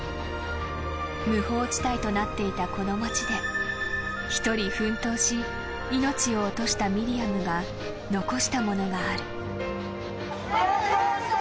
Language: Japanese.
［無法地帯となっていたこの町で一人奮闘し命を落としたミリアムが残したものがある］